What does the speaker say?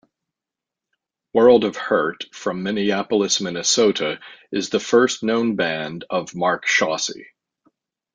World of Hurt from Minneapolis, Minnesota is the first known band of Mark Chaussee.